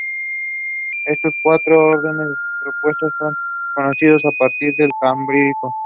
Estos cuatro órdenes propuestos son conocidos a partir del Cámbrico.